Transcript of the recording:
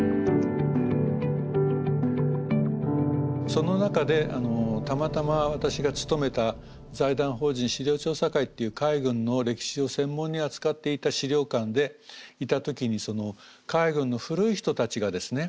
その中でたまたま私が勤めた財団法人史料調査会っていう海軍の歴史を専門に扱っていた史料館でいた時に海軍の古い人たちがですね